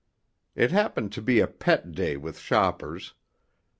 It happened to be a pet day with shoppers.